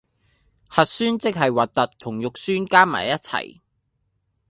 核酸即係核突同肉酸加埋一齊